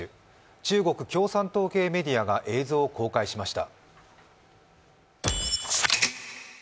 中国共産党系メディアが映像を公開しました。